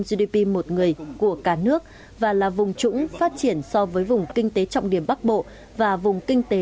gdp một người của cả nước và là vùng trũng phát triển so với vùng kinh tế trọng điểm bắc bộ và vùng kinh tế